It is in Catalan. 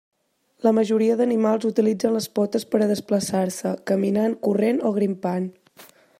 La majoria d'animals utilitzen les potes per a desplaçar-se, caminant, corrent o grimpant.